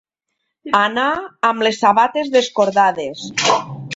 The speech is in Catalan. Anar amb les sabates descordades.